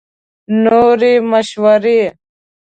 نورې مشورې